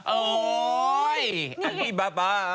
ออ๊ะนี่อาลีบาบา